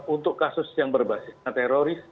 untuk kasus yang berbasis teroris